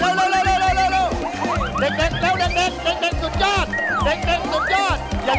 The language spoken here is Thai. เด็กสุดยอด